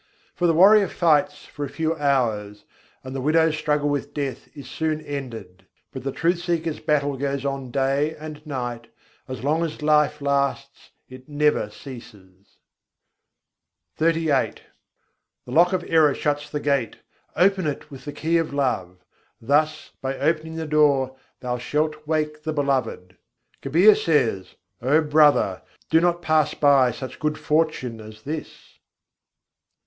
For the warrior fights for a few hours, and the widow's struggle with death is soon ended: But the truth seeker's battle goes on day and night, as long as life lasts it never ceases." XXXVIII I. 50. bhram kâ tâlâ lagâ mahal re The lock of error shuts the gate, open it with the key of love: Thus, by opening the door, thou shalt wake the Beloved. Kabîr says: "O brother! do not pass by such good fortune as this."